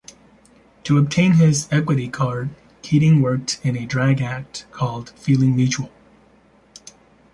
To obtain his Equity card, Keating worked in a drag act called Feeling Mutual.